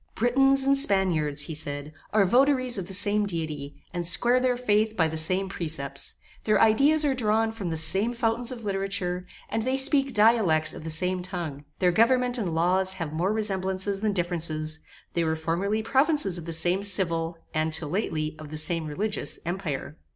Britons and Spaniards, he said, are votaries of the same Deity, and square their faith by the same precepts; their ideas are drawn from the same fountains of literature, and they speak dialects of the same tongue; their government and laws have more resemblances than differences; they were formerly provinces of the same civil, and till lately, of the same religious, Empire.